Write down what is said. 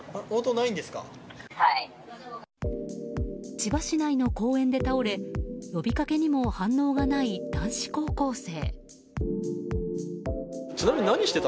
千葉市内の公園で倒れ呼びかけにも反応がない男子高校生。